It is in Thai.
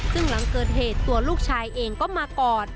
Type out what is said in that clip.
ซึ่งหลังเกิดเหตุตัวลูกชายเองก็มากอด